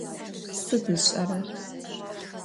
Sıd ış'erer?